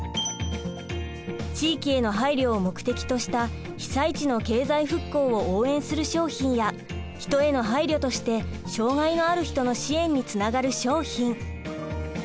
地域への配慮を目的とした被災地の経済復興を応援する商品や人への配慮として障がいのある人の支援につながる商品。